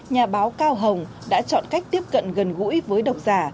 nhà báo cao hồng đã chọn cách tiếp cận gần gũi với độc giả